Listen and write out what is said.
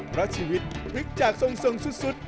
เพราะชีวิตฟึกจากส่งสุด